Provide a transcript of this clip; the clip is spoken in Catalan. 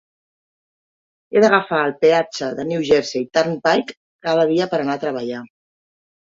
He d'agafar el peatge de New Jersey Turnpike cada dia per anar a treballar.